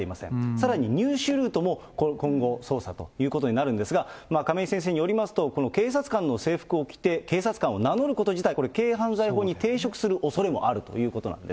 さらに入手ルートも今後捜査ということになるんですが、亀井先生によりますと、この警察官の制服を着て警察官を名乗ること自体、これ、軽犯罪法に抵触するおそれもあるということなんです。